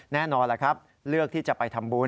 แน่นอนล่ะครับเลือกที่จะไปทำบุญ